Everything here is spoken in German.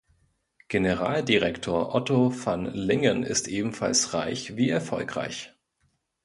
Generaldirektor Otto van Lingen ist ebenso reich wie erfolgreich.